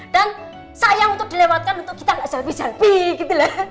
dan sayang untuk dilewatkan untuk kita gak selfie selfie